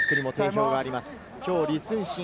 キックにも定評があります。